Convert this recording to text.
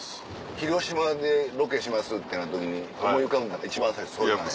広島でロケしますってなった時に思い浮かんだんが一番最初それなんや。